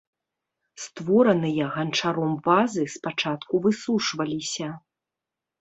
Створаныя ганчаром вазы спачатку высушваліся.